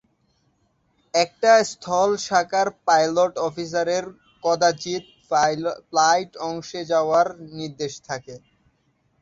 একটা স্থল শাখার পাইলট অফিসারের কদাচিৎ ফ্লাইট অংশে যাওয়ার নির্দেশ থাকে।